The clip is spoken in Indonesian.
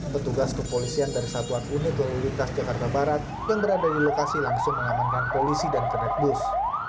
petugas kepolisian dari satuan unit lalu lintas jakarta barat yang berada di lokasi langsung mengamankan polisi dan kernet bus